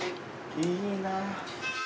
いいな。